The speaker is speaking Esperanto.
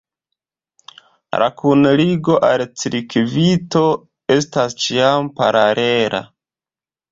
La kunligo al cirkvito estas ĉiam paralela.